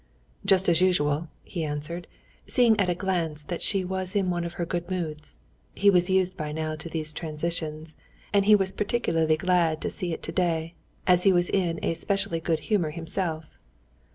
"Just as usual," he answered, seeing at a glance that she was in one of her good moods. He was used by now to these transitions, and he was particularly glad to see it today, as he was in a specially good humor himself.